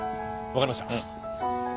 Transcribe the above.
わかりました。